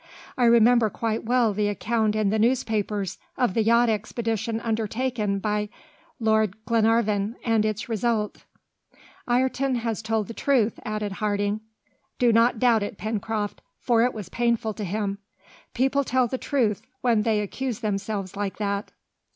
I remember quite well the account in the newspapers of the yacht expedition undertaken by Lord Glenarvan, and its result." "Ayrton has told the truth," added Harding. "Do not doubt it, Pencroft, for it was painful to him. People tell the truth when they accuse themselves like that!"